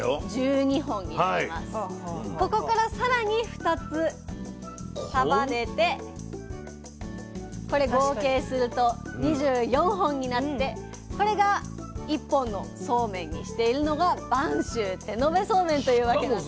ここからさらに２つ束ねてこれ合計すると２４本になってこれが１本のそうめんにしているのが播州手延べそうめんというわけなんです。